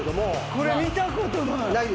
これ見たことない。